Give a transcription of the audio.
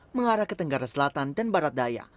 mengarah ke tenggara selatan dan barat daya